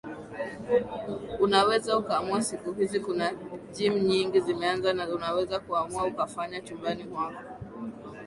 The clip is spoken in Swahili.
unaweza ukaamua siku hizi kuna gim nyingi zimeanza na unaweza ukaamua ukafanya chumbani kwako